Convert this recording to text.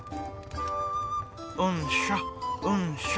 うんしょうんしょ。